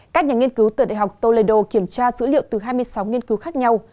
các nhà nghiên cứu từ đại học toledo kiểm tra dữ liệu từ hai mươi sáu nghiên cứu khác nhau